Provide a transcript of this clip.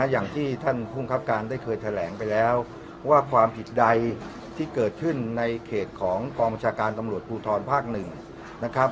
อย่างที่ท่านภูมิครับการได้เคยแถลงไปแล้วว่าความผิดใดที่เกิดขึ้นในเขตของกองบัญชาการตำรวจภูทรภาคหนึ่งนะครับ